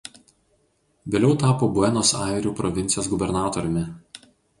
Vėliau tapo Buenos Airių provincijos gubernatoriumi.